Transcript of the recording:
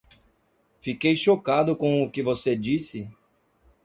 Fiquei chocado com o que você disse